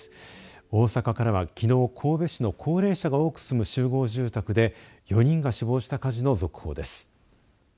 大阪からはきのう神戸市の高齢者が多く住む集合住宅で４人が死亡した火事の速報です。